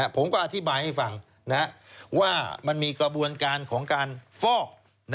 ผมก็อธิบายให้ฟังว่ามันมีกระบวนการของการฟอก